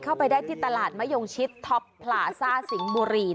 เข้าไปได้ที่ตลาดมะยงชิดท็อปพลาซ่าสิงห์บุรี